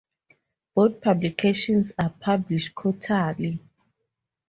Both publications are published quarterly.